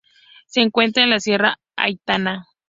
Se encuentra en la sierra de Aitana.